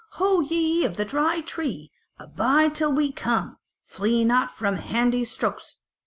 ho ye of the Dry Tree, abide till we come! flee not from handy strokes."